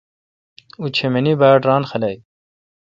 اوں چمینی باڑران خلق۔